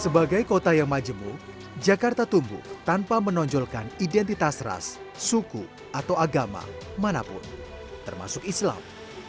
sebagai kota yang majemuk jakarta tumbuh tanpa menonjolkan identitas ras suku atau agama manapun termasuk islam